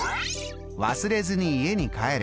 忘れずに家に帰る。